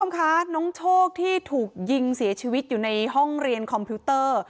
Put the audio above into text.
คุณผู้ชมคะน้องโชคที่ถูกยิงเสียชีวิตอยู่ในห้องเรียนคอมพิวเตอร์